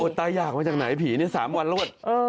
ตาอยากมาจากไหนผีนี่๓วันรวด